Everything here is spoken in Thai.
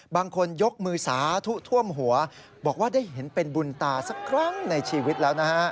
บางคนยกมือสาธุท่วมหัวบอกว่าได้เห็นเป็นบุญตาสักครั้งในชีวิตแล้วนะฮะ